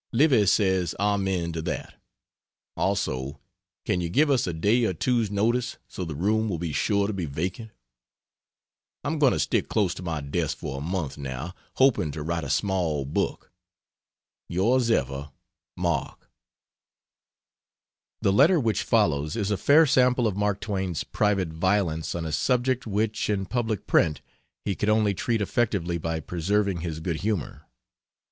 Livy says Amen to that; also, can you give us a day or two's notice, so the room will be sure to be vacant? I'm going to stick close to my desk for a month, now, hoping to write a small book. Ys Ever MARK The letter which follows is a fair sample of Mark Twain's private violence on a subject which, in public print, he could only treat effectively by preserving his good humor.